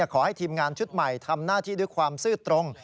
ขอให้ทีมงานชุดใหม่ทำหน้าที่ด้วยความซื่อตรง